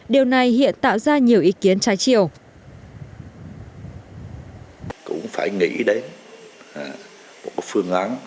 điều này hiện tạo ra nhiều ý kiến trái chiều